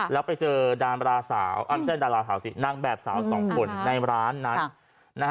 แล้วไปเจอดามราสาวไม่ใช่ดาราสาวสินางแบบสาวสองคนในร้านนั้นนะฮะ